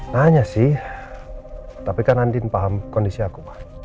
nanya sih tapi kan andin paham kondisi aku